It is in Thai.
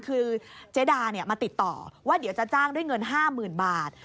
คือเจดามาติดต่อว่าเดี๋ยวจะจ้างด้วยเงิน๕๐๐๐บาท